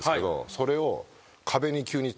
それを。